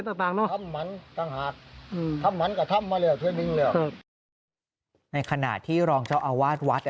กับมาเลยแล้วใช่มั้งในขณะที่รองเจ้าอนวาสวาส